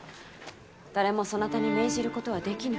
誰もそなたに命じることはできぬ。